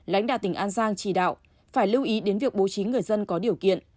lãnh đạo tỉnh an giang chỉ đạo phải lưu ý đến việc bố trí người dân có điều kiện